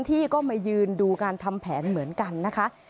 ที่ก็มายืนดูการทำแผนเหมือนกันนะคะ